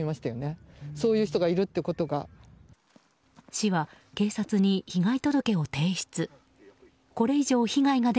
市は警察に被害届を提出。